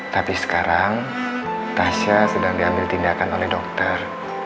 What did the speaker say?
tapi sekarang tasha sedang diambil tindakan oleh dokter